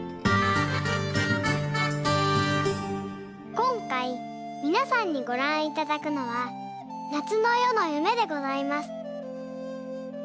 こんかいみなさんにごらんいただくのは「夏の夜の夢」でございます。